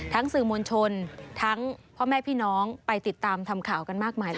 สื่อมวลชนทั้งพ่อแม่พี่น้องไปติดตามทำข่าวกันมากมายแล้ว